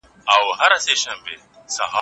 که موږ خپله ژبه وساتو، نو کلتوري ریښې نه ختمېږي.